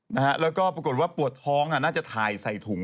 นะฮะแล้วก็ปรากฏว่าปวดท้องอ่ะน่าจะถ่ายใส่ถุง